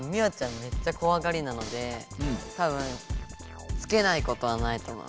めっちゃこわがりなのでたぶんつけないことはないと思う。